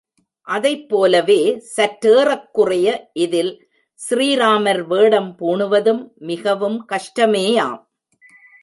அதைப்போலவே சற்றேறக் குறைய இதில் ஸ்ரீராமர் வேடம் பூணுவதும் மிகவும் கஷ்டமேயாம்.